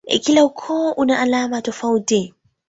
Kila ukoo una alama tofauti.